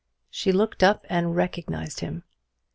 She looked up and recognized him.